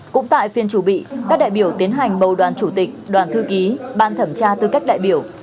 cũng tại phiên chủ bị các đại biểu tiến hành bầu đoàn chủ tịch đoàn thư ký